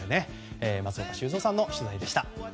松岡修造さんの取材でした。